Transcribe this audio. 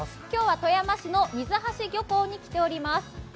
今日は富山市の水橋漁港に来ています。